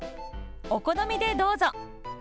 お好みでどうぞ！